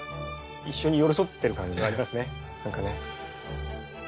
一緒に寄り添ってる感じがありますねなんかね。